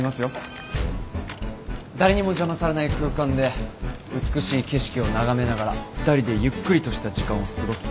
誰にも邪魔されない空間で美しい景色を眺めながら２人でゆっくりとした時間を過ごす。